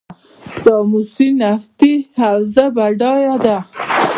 د امو سیند نفتي حوزه بډایه ده؟